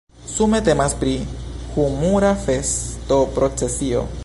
Sume temas pri humura festoprocesio.